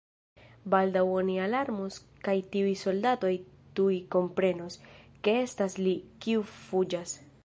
Baldaŭ oni alarmos kaj tiuj soldatoj tuj komprenos, ke estas li, kiu fuĝas.